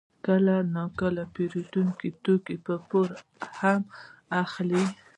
کله ناکله پېرودونکي توکي په پور هم اخلي